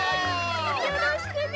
よろしくね。